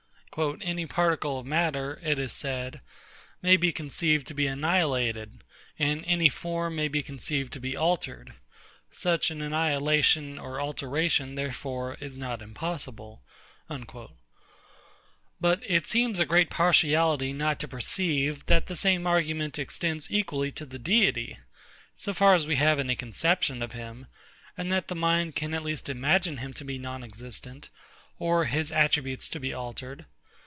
"Any particle of matter," it is said[]Dr. Clarke, "may be conceived to be annihilated; and any form may be conceived to be altered. Such an annihilation or alteration, therefore, is not impossible." But it seems a great partiality not to perceive, that the same argument extends equally to the Deity, so far as we have any conception of him; and that the mind can at least imagine him to be non existent, or his attributes to be altered.